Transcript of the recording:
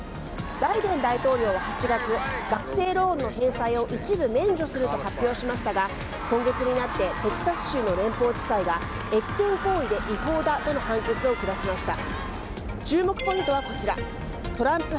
バイデン大統領は８月学生ローンの返済を一部免除すると発表しましたが今月になってテキサス州の連邦地裁が越権行為で違法だとの判決を下しました。